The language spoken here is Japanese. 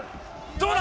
どうだ！